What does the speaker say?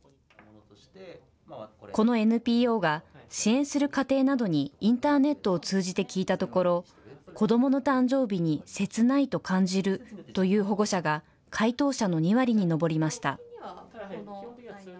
このＮＰＯが支援する家庭などに、インターネットを通じて聞いたところ、子どもの誕生日に切ないと感じるという保護者が、回答者の２割に上りました。